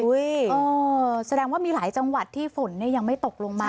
อุ้ยอ๋อแสดงว่ามีหลายจังหวัดที่ฝนเนี่ยยังไม่ตกลงมา